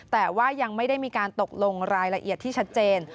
แต่ว่ายังไม่ได้มีการตกลงรายละเอียดที่ชัดเจน